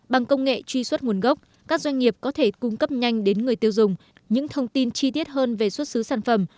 bằng công nghệ truy xuất nguồn gốc các doanh nghiệp có thể cung cấp nhanh đến người tiêu dùng những thông tin chi tiết hơn về xuất xứ sản phẩm